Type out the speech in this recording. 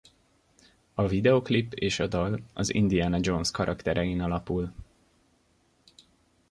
A videoklip és a dal az Indiana Jones karakterein alapul.